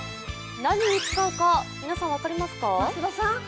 何に使うか、皆さん分かりますか？